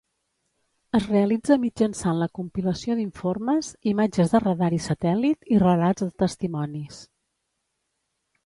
Es realitza mitjançant la compilació d'informes, imatges de radar i satèl·lit, i relats de testimonis.